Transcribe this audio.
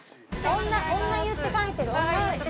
女湯って書いてある。